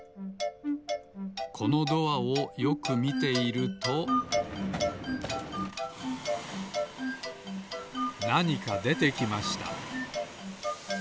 このドアをよくみているとなにかでてきました